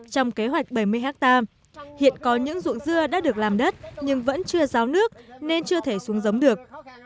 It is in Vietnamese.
trong kế hoạch bảy mươi ha hiện có những dưỡng dưa đã được làm đất nhưng vẫn chưa ráo nước nên chưa thể xuân giống được